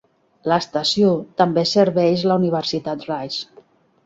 L'estació també serveix la Universitat Rice.